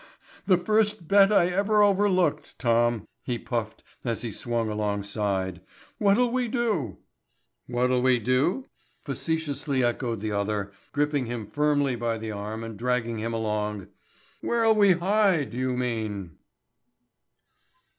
"The first bet I ever overlooked, Tom," he puffed as he swung alongside. "What'll we do?" "What'll we do?" facetiously echoed the other, gripping him firmly by the arm and dragging him along. "Where'll we hide, you mean?"